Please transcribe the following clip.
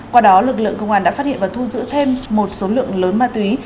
qua đó lực lượng công an đã phát hiện và thu giữ thêm một số lượng lớn ma túy